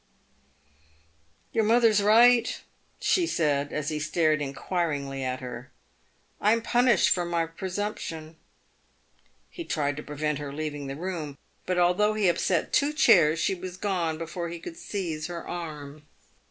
"Your mother is right," she said, as he stared inquiringly at her; " I am punished for my presumption." He tried to prevent her leaving the room, but, although he upset two chairs, she was gone before he could seize her arm.